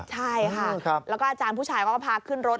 ใช่ค่ะแล้วก็อาจารย์ผู้ชายเขาก็พาขึ้นรถ